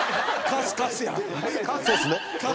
カスカスや。